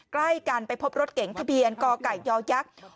ใกล้กันไปพบรถเก๋งทะเบียนกไก่ยักษ์